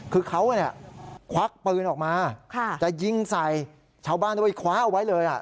คือเขาเนี่ยควักปืนออกมาจะยิงใส่ชาวบ้านด้วยคว้าเอาไว้เลย